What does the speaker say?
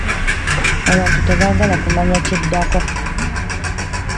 Abamu tebaagala kumanya kiddako.